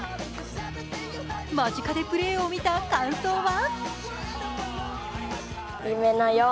間近でプレーを見た感想は？